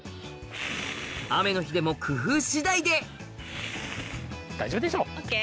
雨の日でも工夫次第で大丈夫でしょ。ＯＫ？